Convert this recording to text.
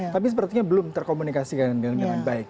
tapi sepertinya belum terkomunikasi dengan dengan baik